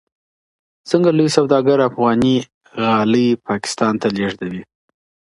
څنګه لوی سوداګر افغاني غالۍ پاکستان ته لیږدوي؟